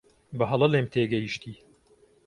بەهەڵە لێم تێگەیشتی.